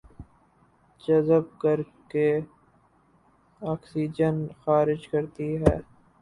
جذب کرکے آکسیجن خارج کرتے ہیں